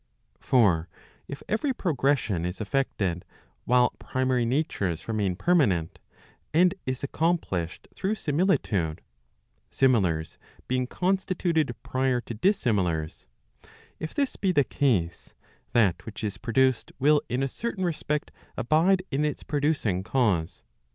For if every progression is effected, while primary natures remain permanent, and is accomplished through similitude, similars being constituted prior to dissimilars,—if this be the case, that which' is produced will in a certain respect abide in its producing cause.